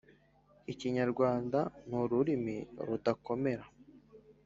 ikinyarwanda ni urururimi rudakomera